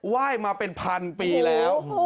ไหว้มาเป็นพันปีแล้ว